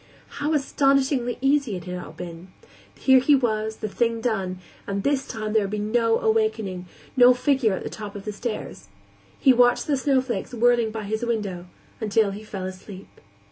How astonishingly easy it had all been; here he was, the thing done; and this time there would be no awakening, no figure at the top of the stairs. He watched the snowflakes whirling by his window until he fell asleep.